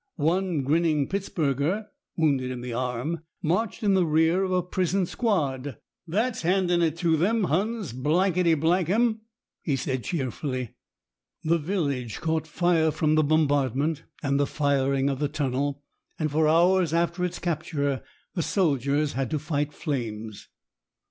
One grinning Pittsburgher, wounded in the arm, marched in the rear of a prison squad. "That's handin' it to them Huns, blankety blank 'em," he said cheerfully. The village caught fire from the bombardment and the firing of the tunnel, and for hours after its capture the soldiers had to fight flames.